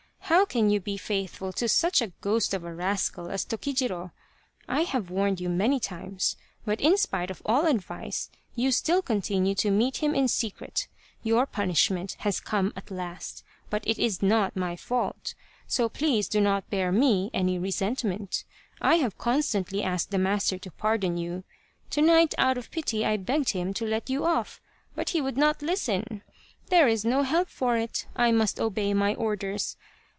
How can you be faithful to such a ghost of a rascal as Tokijiro ? I have warned you many times, but in spite of all advice you still continue to meet him in secret. Your punishment has come at last but it is not my fault, so please do not bear me any resent ment. I have constantly asked the master to pardon you. To night, out of pity, I begged him to let you off, but he would not listen. There is no help for it, I must obey my orders.